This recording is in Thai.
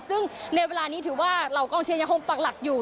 ซึ่งในเวลานี้ถือว่าเหล่ากองเชียร์ยังคงปักหลักอยู่